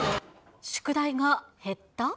宿題が減った？